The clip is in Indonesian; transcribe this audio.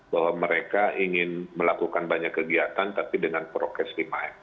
bahwa mereka ingin melakukan banyak kegiatan tapi dengan prokes lima m